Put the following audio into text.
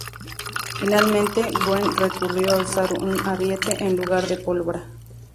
Finalmente, Wren recurrió a usar un ariete en lugar de pólvora.